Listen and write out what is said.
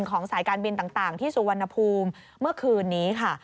สายการบินต่างที่สุวรรณภูมิเมื่อคืนนี้ค่ะ